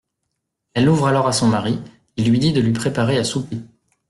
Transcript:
Elle ouvre alors à son mari, qui lui dit de lui préparer à souper.